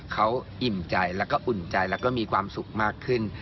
เขาอิ่มใจแล้วก็อุ่นใจแล้วก็มีความสุขมากขึ้น